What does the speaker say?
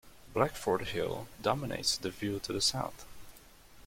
Blackford Hill dominates the view to the south.